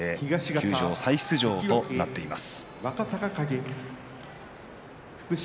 休場し再出場となっています。